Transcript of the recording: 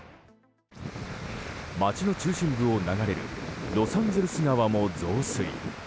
街の中心部を流れるロサンゼルス川も増水。